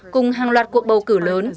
cùng hàng loạt cuộc bầu cử lớn